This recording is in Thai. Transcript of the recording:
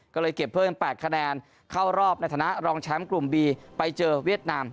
ก็เลยเก็บเพิ่ม๘คะแนนเข้ารอบในฐานะรองแชมป์กลุ่มบีไปเจอเวียดนาม